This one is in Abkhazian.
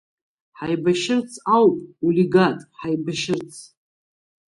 Ҳаибашьырц ауп, Улигат, ҳаибашьырц.